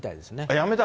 やめたの？